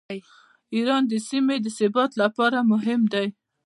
ایران د سیمې د ثبات لپاره مهم دی.